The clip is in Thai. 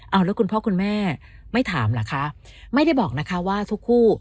เอาแล้วคุณพ่อคุณแม่ไม่ถามเหรอคะไม่ได้บอกนะคะว่าทุกคู่